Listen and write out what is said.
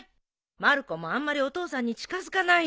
まる子もあんまりお父さんに近づかないで！